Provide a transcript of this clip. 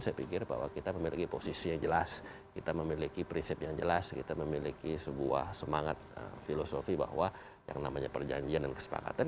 saya pikir bahwa kita memiliki posisi yang jelas kita memiliki prinsip yang jelas kita memiliki sebuah semangat filosofi bahwa yang namanya perjanjian dan kesepakatan